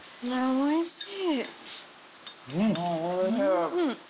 おいしい。